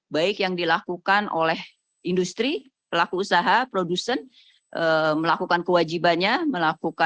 baik yang dilakukan oleh industri pelaku usaha produsen melakukan kewajibannya